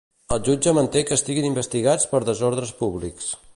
El jutge manté que estiguin investigats per desordres públics.